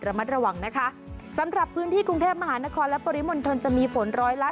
มัดระวังนะคะสำหรับพื้นที่กรุงเทพมหานครและปริมณฑลจะมีฝนร้อยละ